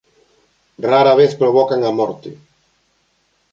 Rara vez provocan a morte.